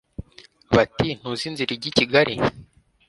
bati ntuzi n'inzira ijya kigali